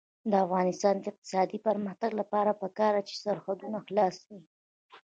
د افغانستان د اقتصادي پرمختګ لپاره پکار ده چې سرحدونه خلاص وي.